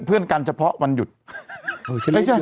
เป็นการกระตุ้นการไหลเวียนของเลือด